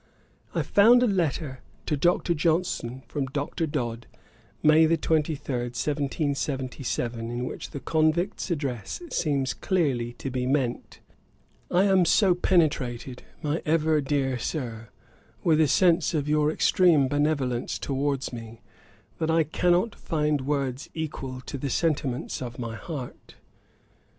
I found a letter to Dr. Johnson from Dr. Dodd, May 23, 1777, in which The Convict's Address seems clearly to be meant: 'I am so penetrated, my ever dear Sir, with a sense of your extreme benevolence towards me, that I cannot find words equal to the sentiments of my heart.